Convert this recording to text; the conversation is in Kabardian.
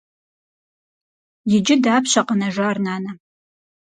Иджы дапщэ къэнэжар, нанэ?